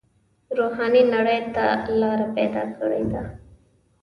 روحاني نړۍ ته لاره پیدا کړې ده.